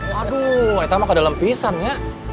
waduh eta mah ke dalem pisang ya